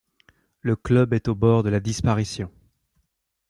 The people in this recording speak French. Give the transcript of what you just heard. Le club est au bord de la disparition.